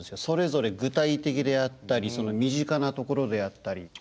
それぞれ具体的であったり身近なところであったり。